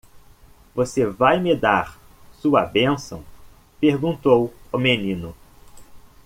"Você vai me dar sua bênção?", perguntou o menino.